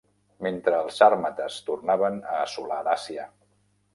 Mentre els sàrmates tornaven a assolar Dàcia.